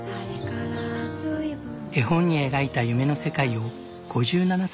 絵本に描いた夢の世界を５７歳で実現。